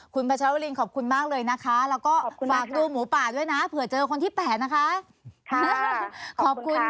คุณพัชรวรินขอบคุณมากเลยนะคะแล้วก็ฝากดูหมูป่าด้วยนะเผื่อเจอคนที่๘นะคะ